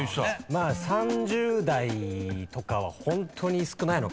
まあ３０代とかはホントに少ないのかなと思って。